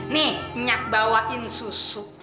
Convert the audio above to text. nih nyak bawain susu